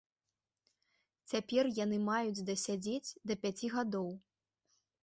Цяпер яны маюць даседзець да пяці гадоў.